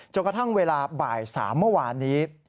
กระทั่งเวลาบ่าย๓เมื่อวานนี้